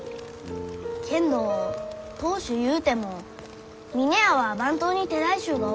けんど当主ゆうても峰屋は番頭に手代衆がおる。